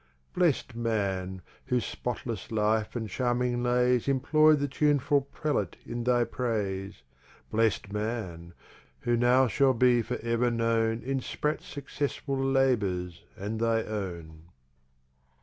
Blest Man! whose spotless Life and Charming Lays Employ'd the Tuneful Prelate in thy Praise: Blest Man! who now shall be for ever known In Sprat's successful Labours and thy own.